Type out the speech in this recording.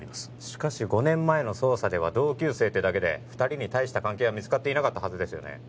しかし５年前の捜査では同級生ってだけで二人に大した関係は見つかっていなかったはずですよね